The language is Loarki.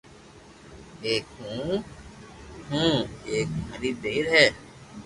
ايڪ ھون ھون ايڪ ماري ڀيئير ھي